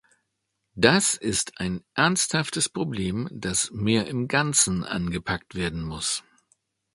Das ist ein ernsthaftes Problem, das mehr im Ganzen angepackt werden muss.